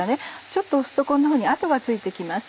ちょっと押すとこんなふうにあとがついて来ます。